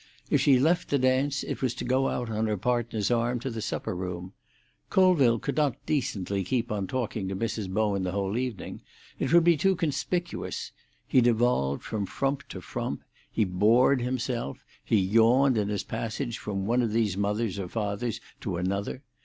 If she left the dance, it was to go out on her partner's arm to the supper room. Colville could not decently keep on talking to Mrs. Bowen the whole evening; it would be too conspicuous; he devolved from frump to frump; he bored himself; he yawned in his passage from one of these mothers or fathers to another.